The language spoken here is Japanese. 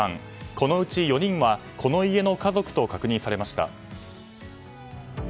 このうち４人はこの家の家族と確認されました。